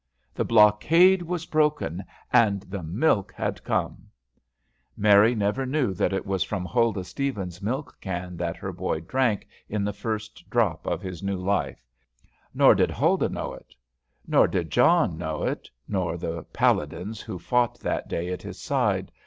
The blockade was broken, and THE MILK HAD COME! Mary never knew that it was from Huldah Stevens's milk can that her boy drank in the first drop of his new life. Nor did Huldah know it. Nor did John know it, nor the paladins who fought that day at his side.